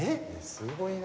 すごいな。